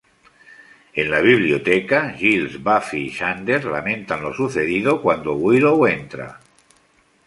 En la biblioteca, Giles, Buffy y Xander lamentan lo sucedido cuando Willow entra.